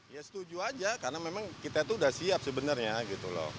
ya setuju aja karena memang kita itu udah siap sebenarnya gitu loh